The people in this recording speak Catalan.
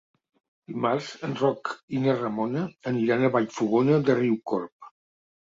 Dimarts en Roc i na Ramona aniran a Vallfogona de Riucorb.